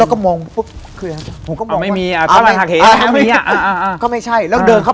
ก็ไม่มีแสงแล้ว